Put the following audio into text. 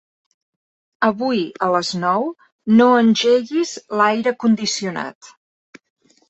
Avui a les nou no engeguis l'aire condicionat.